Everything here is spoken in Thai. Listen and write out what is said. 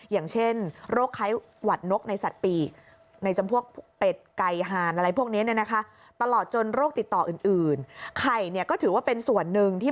อย่างเช่นโรคไข้หวัดนกในสัตว์ปีในจำพวกเป็ดไก่หานอะไรพวกนี้